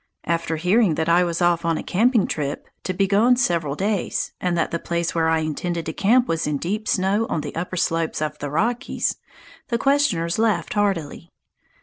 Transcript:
After hearing that I was off on a camping trip, to be gone several days, and that the place where I intended to camp was in deep snow on the upper slopes of the Rockies, the questioners laughed heartily.